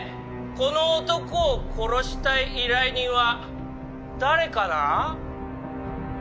この男を殺したい依頼人は誰かな？